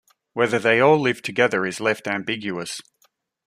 Whether they all live together is left ambiguous.